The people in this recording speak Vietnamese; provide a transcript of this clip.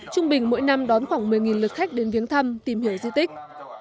trung bình mỗi năm đón khoảng một mươi lượt khách đến viếng thăm tìm hiểu di tích